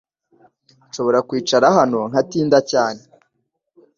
Nshobora kwicara hano, nkatinda cyane